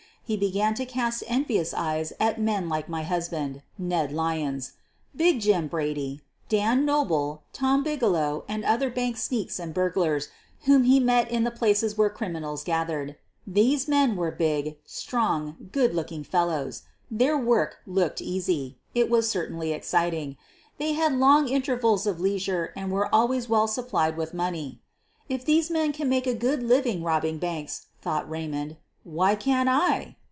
He began to cast en vious eyes at men like my husband (Ned Lyons), Big Jim Brady, Dan Noble, Tom Bigelow, and other bank sneaks and burglars whom he met in the places where criminals gathered. These men were big, 40 SOPHIE LYONS strong, good looking fellows. Their work looked easy — it was certainly exciting. They had long intervals of leisure and were always well supplied with money. "If these men can make a good living robbing banks,' ' thought Eaymond, "why can't I!"